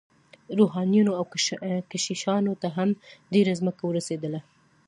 روحانیونو او کشیشانو ته هم ډیره ځمکه ورسیدله.